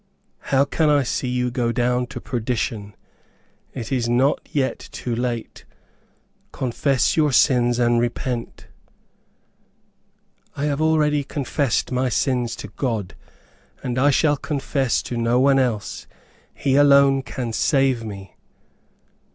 How can I see you go down to perdition? It is not yet too late. Confess your sins and repent." "I have already confessed my sins to God, and I shall confess to no one else. He alone can save me."